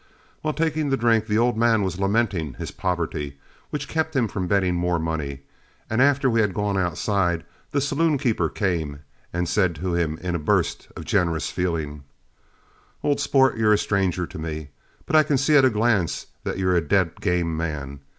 While taking the drink, the old man was lamenting his poverty, which kept him from betting more money, and after we had gone outside, the saloonkeeper came and said to him, in a burst of generous feeling, "Old sport, you're a stranger to me, but I can see at a glance that you're a dead game man.